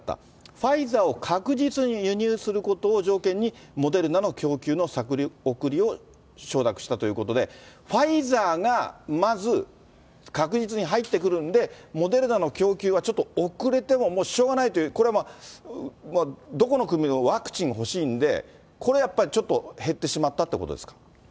ファイザーを確実に輸入することを条件に、モデルナの供給の先送りを承諾したということで、ファイザーがまず確実に入ってくるんで、モデルナの供給はちょっと遅れてもしょうがないという、これは、どこの国もワクチン欲しいんで、これやっぱり、ちょっと減ってしまったということですか。